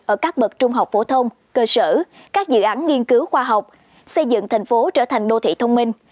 ở các bậc trung học phổ thông cơ sở các dự án nghiên cứu khoa học xây dựng thành phố trở thành đô thị thông minh